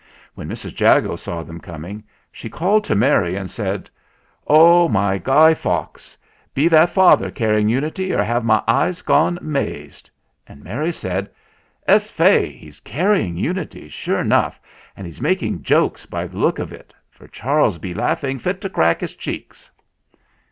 When Mrs. Jago saw them coming she called to Mary and said : "Oh, my Guy Fawkes ! be that father carry ing Unity, or have my eyes gone mazed ?" And Mary said : THE RECOVERY OF MR. JAGO 175 "Ess fay, he's carrying Unity, sure enough, and he's making jokes by the look of it, for Charles be laughing fit to crack his cheeks